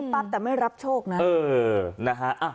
ปั๊บแต่ไม่รับโชคนะ